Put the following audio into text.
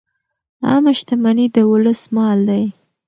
عامه شتمني د ولس مال دی.